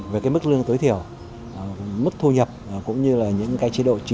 với cái mức lương tối thiểu mức thu nhập cũng như là những cái chế độ phúc lợi